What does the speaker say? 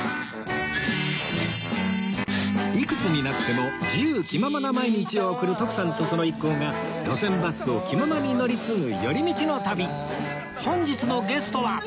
いくつになっても自由気ままな毎日を送る徳さんとその一行が路線バスを気ままに乗り継ぐ寄り道の旅本日のゲストは